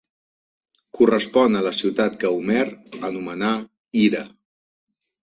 Correspon a la ciutat que Homer anomena Ira.